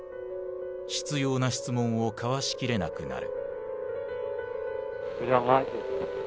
執拗な質問をかわし切れなくなる。